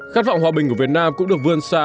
khát vọng hòa bình của việt nam cũng được vươn xa